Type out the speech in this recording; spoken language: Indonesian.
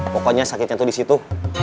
pokoknya sakitnya itu di situ